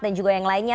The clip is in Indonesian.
dan juga yang lainnya